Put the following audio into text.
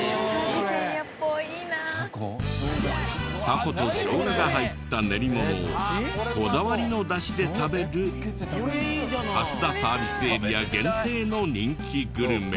たこと生姜が入った練り物をこだわりの出汁で食べる蓮田サービスエリア限定の人気グルメ。